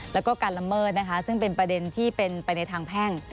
แล้วก็การละเมิดนะคะซึ่งเป็นประเด็นที่เป็นไปในทางแพ่ง